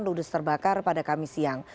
ludes terbakar pada kamis siang